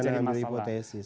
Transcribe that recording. itu adalah satu hipotesis